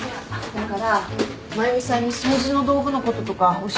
だから真由美さんに掃除の道具のこととか教えてほしいと思って。